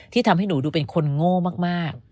ทำให้หนูดูเป็นคนโง่มาก